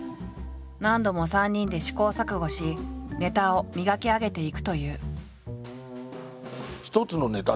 何度も３人で試行錯誤しネタを磨き上げていくという。